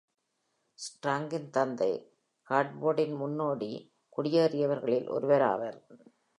ஸ்ட்ராங்கின் தந்தை ஹார்ட்ஃபோர்டின் முன்னோடி குடியேறியவர்களில் ஒருவர் ஆவார்.